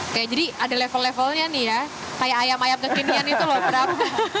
oke jadi ada level levelnya nih ya kayak ayam ayam kekinian itu loh pram